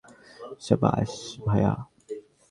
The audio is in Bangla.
সাব্বাশ, ভায়া।